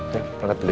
ya bangat dulu ya